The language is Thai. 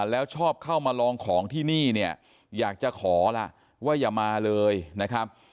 แล้วชอบเข้ามาลองของที่นี่เนี่ยอยากจะขอล่ะว่าอย่ามาเลยนะครับ